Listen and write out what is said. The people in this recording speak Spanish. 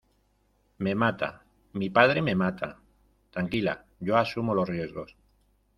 me mata, mi padre me mata. tranquila , yo asumo los riesgos .